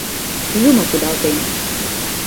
Юмо кудалтен!..